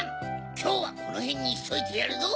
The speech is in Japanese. きょうはこのへんにしといてやるぞ！